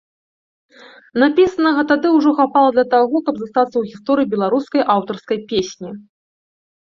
Напісанага тады ўжо хапала для таго, каб застацца ў гісторыі беларускай аўтарскай песні.